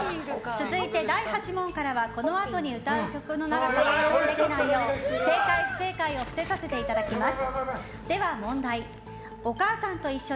続いて第８問からはこのあとに歌う曲の長さが予測できないよう正解・不正解を伏せさせていただきます。